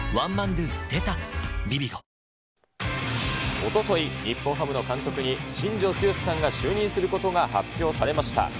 おととい、日本ハムの監督に新庄剛志さんが就任することが発表されました。